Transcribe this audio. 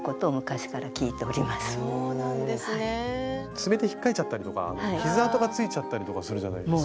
爪でひっかいちゃったりとか傷痕がついちゃったりとかするじゃないですか。